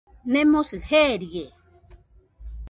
Nemosɨ jeerie.